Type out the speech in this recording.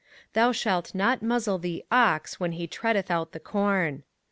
05:025:004 Thou shalt not muzzle the ox when he treadeth out the corn.